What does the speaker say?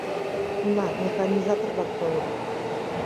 Уна, механизатор-влак толыт.